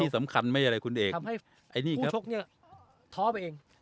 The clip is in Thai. ที่สำคัญไม่อะไรคุณเอกทำให้ผู้ชกเนี่ยท้อไปเอง